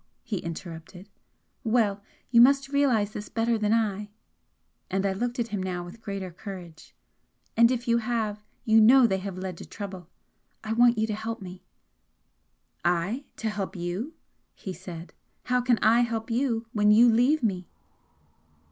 he interrupted. "Well, you must realise this better than I," and I looked at him now with greater courage "and if you have, you know they have led to trouble. I want you to help me." "I? To help you?" he said. "How can I help you when you leave me?"